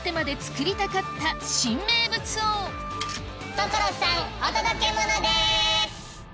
所さんお届けモノです！